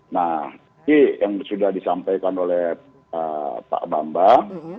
nah ini yang sudah disampaikan oleh pak bambang